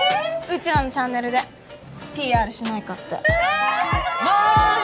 うちらのチャンネルでＰＲしないかってええすごい！